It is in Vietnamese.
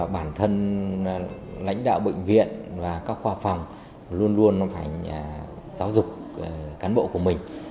bản thân lãnh đạo bệnh viện và các khoa phòng luôn luôn phải giáo dục cán bộ của mình